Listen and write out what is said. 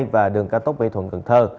và đường cao tốc mỹ thuận cần thơ